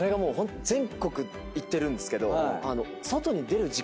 全国行ってるんですけど。